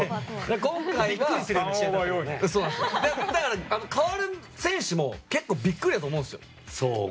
今回は代わる選手も結構びっくりだと思うんですよ。